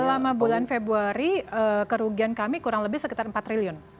selama bulan februari kerugian kami kurang lebih sekitar empat triliun